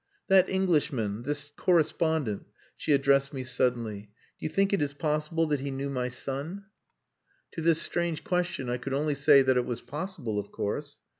"That Englishman, this correspondent," she addressed me suddenly, "do you think it is possible that he knew my son?" To this strange question I could only say that it was possible of course.